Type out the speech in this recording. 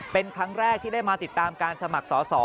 เป็นครั้งแรกที่ได้มาติดตามการสมัครสอสอ